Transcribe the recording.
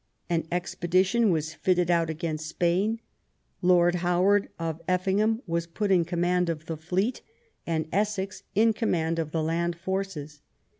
An expedition was fitted out against Spain. Lord Howard of Effing ham was put in command of the fleet, and Essex in command of the land forces.